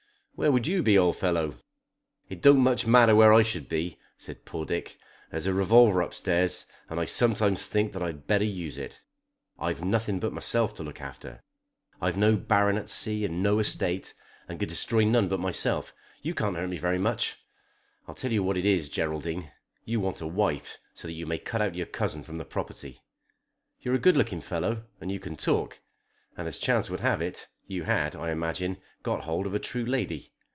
"Where would you be, old fellow?" "It don't much matter where I should be," said poor Dick. "There's a revolver up stairs and I sometimes think that I had better use it. I've nothing but myself to look after. I've no baronetcy and no estate, and can destroy none but myself. You can't hurt me very much. I'll tell you what it is, Geraldine. You want a wife so that you may cut out your cousin from the property. You're a good looking fellow and you can talk, and, as chance would have it, you had, I imagine, got hold of a true lady.